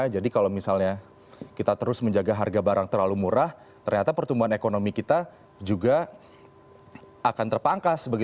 jadi kalau misalnya kita terus menjaga harga barang terlalu murah ternyata pertumbuhan ekonomi kita juga akan terpangkas